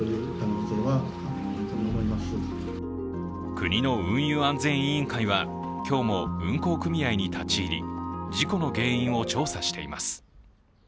国の運輸安全委員会は今日も運航組合に立ち入り事故の原因を調査しています。